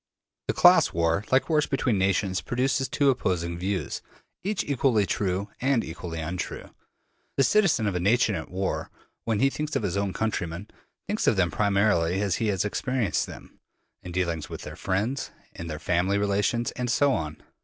The class war, like wars between nations, produces two opposing views, each equally true and equally untrue. The citizen of a nation at war, when he thinks of his own countrymen, thinks of them primarily as he has experienced them, in dealings with their friends, in their family relations, and so on.